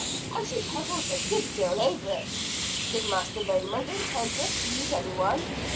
And she puzzled a good deal over it. Did Master Raymond intend to accuse anyone?